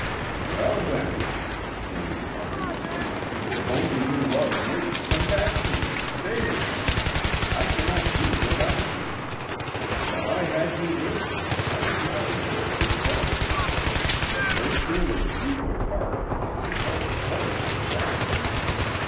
"Well, then," exclaimed Maurice, "if only you love me, come back to me, stay with me. I cannot do without you. While I had you with me I was not aware of your presence. But no sooner did you depart than I felt a horrible blank.